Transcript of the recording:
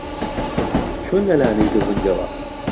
چۆن لە لانەی گزنگەوە